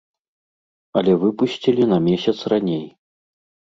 Але выпусцілі на месяц раней.